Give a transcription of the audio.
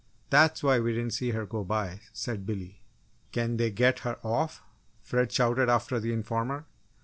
"That's why we didn't see her go by!" said Billy. "Can they get her off?" Fred shouted after the informer.